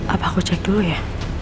apa aku cek dulu ya